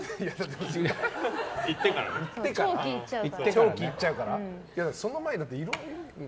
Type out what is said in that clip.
長期行っちゃうから？